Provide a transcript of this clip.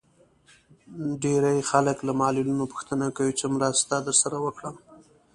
ډېری خلک له معلولينو پوښتنه کوي چې څه مرسته درسره وکړم.